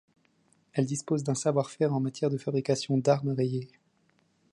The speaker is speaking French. Elle dispose d’un savoir-faire en matière de fabrication d’armes rayées.